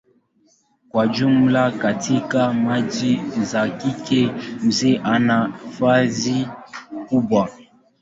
Kwa jumla katika jamii zao kike mzee ana nafasi kubwa.